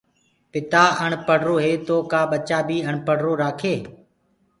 پتآ اڻپڙهرو هي تو ڪآٻچآ ڪو بي آڻپڙهرو رآکسي